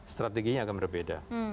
strateginya akan berbeda